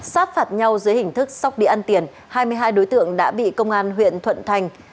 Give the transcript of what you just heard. sát phạt nhau dưới hình thức sóc địa ăn tiền hai mươi hai đối tượng đã bị công an huyện thuận thành